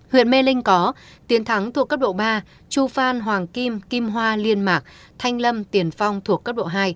huyện mê linh có tiến thắng thuộc cấp độ ba chu phan hoàng kim kim hoa liên mạc thanh lâm tiền phong thuộc cấp độ hai